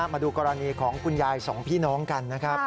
มาดูกรณีของคุณยายสองพี่น้องกันนะครับ